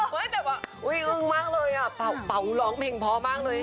เฮ้ยอุ่ะอุืมมากเลยอะเพียงเฉยเพ้าร้องเพลงพอมากเลย